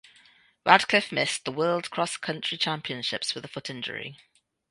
Radcliffe missed the World Cross Country Championships with a foot injury.